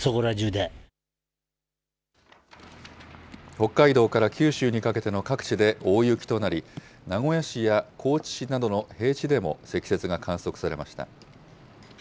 北海道から九州にかけての各地で大雪となり、名古屋市や高知市などの平地でも積雪が観測されました。